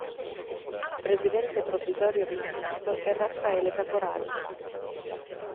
Presidente provvisorio del Senato è Raffaele Caporali.